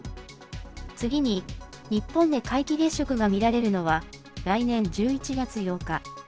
次に、日本で皆既月食が見られるのは来年１１月８日。